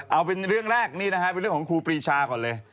เอาเป็นเรื่องแรกนี่นะฮะเป็นเรื่องของครูปรีชาก่อนเลย